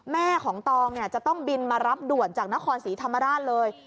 แม่ของตองจะต้องบินมารับด่วนจากนครศรีธรรมราชเลย